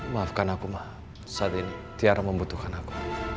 maafkan aku mah saat ini tiara membutuhkan aku